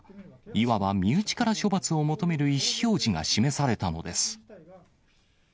いわば身内から処罰を求める意思表示が示されたのです。